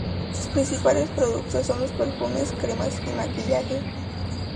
Sus principales productos son los perfumes, cremas y maquillaje.